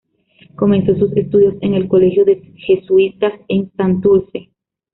Comenzó sus estudios en el Colegio de Jesuitas en Santurce.